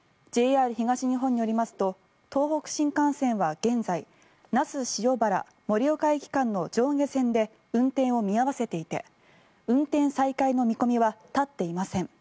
ＪＲ東日本によりますと東北新幹線は現在那須塩原盛岡駅間の上下線で運転を見合わせていて運転再開の見込みは立っていません。